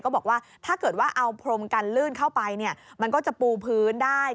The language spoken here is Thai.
บอกว่าถ้าเกิดว่าเอาพรมกันลื่นเข้าไปเนี่ยมันก็จะปูพื้นได้